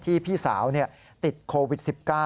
พี่สาวติดโควิด๑๙